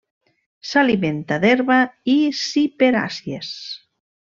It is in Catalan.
S'alimenta d'herba i ciperàcies.